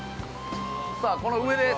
さあこの上です。